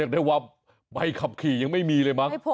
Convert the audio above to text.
ได้ว่าใบขับขี่ยังไม่มีเลยมั้ง